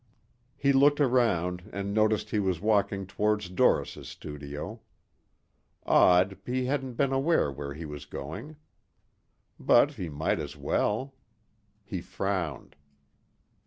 He looked around and noticed he was walking toward Doris' studio. Odd, he hadn't been aware where he was going. But he might as well. He frowned.